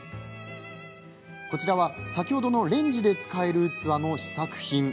こちらは先ほどのレンジで使える器の試作品。